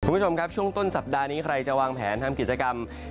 คุณผู้ชมครับช่วงต้นสัปดาห์นี้ใครจะวางแผนทำกิจกรรม